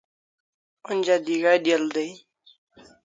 Onja d'ig'a' del dai